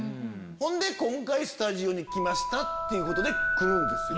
ほんで今回スタジオに来ましたっていうことで来るんですよ。